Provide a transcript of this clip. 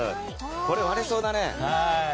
これは割れそうだね。